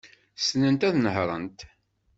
Ssnent ad nehṛent.